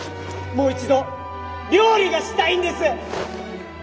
もう一度料理がしたいんです！